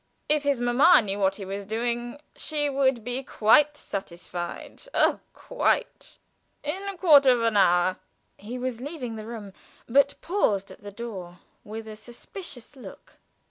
If his mamma knew what he was doing she would be quite satisfied oh, quite. In quarter of an hour." He was leaving the room, but paused at the door, with a suspicious look.